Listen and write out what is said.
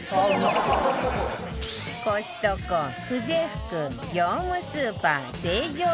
コストコ久世福業務スーパー成城石井